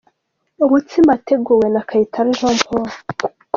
Umutsima wateguwe na Kayitare Jean Paul.